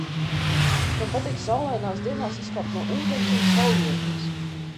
"Tam patīk saulainās dienās izkāpt no ūdens un "sauļoties"."